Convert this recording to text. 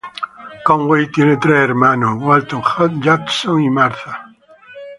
Conway tiene tres hermanos: Walton, Judson y Martha.